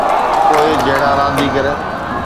پوءِ جھڙا رانديگر.